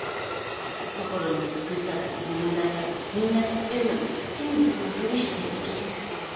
心の美しさだの自分らしさだのみんな知ってるのに真実のふりして生きてる。